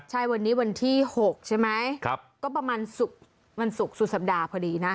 ใช่วันนี้วันที่๖ใช่ไหมก็ประมาณวันศุกร์สุดสัปดาห์พอดีนะ